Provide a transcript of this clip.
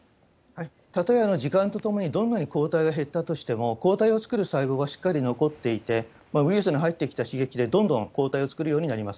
たとえ時間とともにどんなに抗体が減ったとしても、抗体を作る細胞がしっかりと残っていて、ウイルスの入ってきた刺激でどんどん抗体を作るようになります。